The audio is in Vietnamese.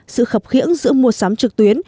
sự khập khiễng giữa mua sắm trực tuyến